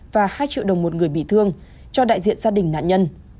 và hai triệu đồng một người bị thương cho đại diện gia đình nạn nhân